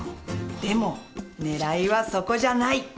でも狙いはそこじゃない。